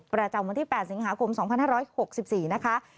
ประจำวันที่๘สิงหาคม๒๕๖๔นะคะ